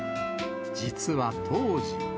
実は当時。